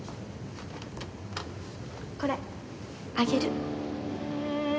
これあげる。